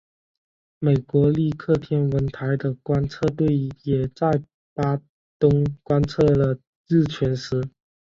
美国利克天文台的观测队也在巴东观测了日全食。